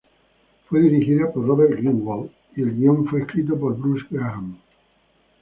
Fue dirigida por Robert Greenwald y el guion fue escrito por Bruce Graham.